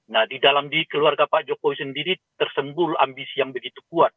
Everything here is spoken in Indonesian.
nah di dalam di keluarga pak jokowi sendiri tersembul ambisi yang begitu kuat